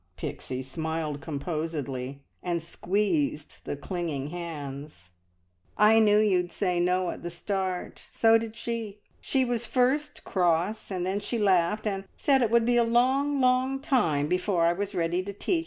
Pixie smiled composedly, and squeezed the clinging hands. "I knew you'd say `No' at the start. So did she. She was first cross, and then she laughed, and said it would be a long, long time before I was ready to teach.